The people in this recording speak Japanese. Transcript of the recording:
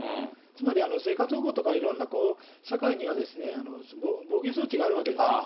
つまり生活保護とか、いろんな社会には防御措置があるわけですよ。